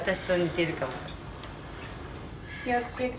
気を付けて。